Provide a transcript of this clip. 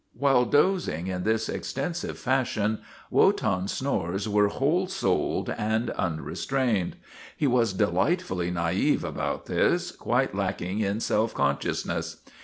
While dozing in this extensive fashion, Wotan's snores were whole souled and unrestrained. He was delightfully na'ive about this, quite lacking in self consciousness.